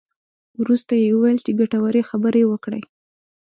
وروسته یې وویل چې ګټورې خبرې وکړې.